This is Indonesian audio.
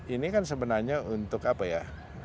ini kan sebenarnya untuk apa ya